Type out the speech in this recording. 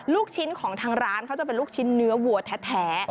ลูกชิ้นของทางร้านเขาจะเป็นลูกชิ้นเนื้อวัวแท้